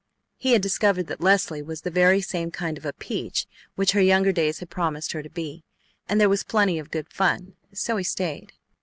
He had discovered that Leslie was the very same kind of a "peach" which her younger days had promised her to be, and there was plenty of good fun, so he stayed.